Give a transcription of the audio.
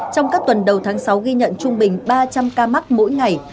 trong các tuần đầu tháng sáu ghi nhận trung bình ba trăm linh ca mắc mỗi ngày